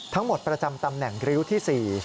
ทั้งหมดประจำตำแหน่งริ้วที่๔